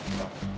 uih rapi bener